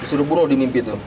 disuruh buruh dimimpi tuh